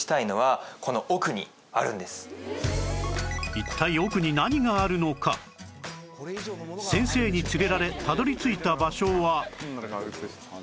一体先生に連れられたどり着いた場所は